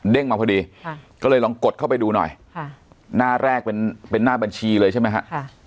มาพอดีก็เลยลองกดเข้าไปดูหน่อยหน้าแรกเป็นหน้าบัญชีเลยใช่ไหมฮะ